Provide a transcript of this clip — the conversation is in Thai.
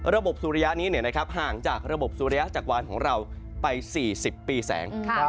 สุริยะนี้ห่างจากระบบสุริยะจักรวาลของเราไป๔๐ปีแสง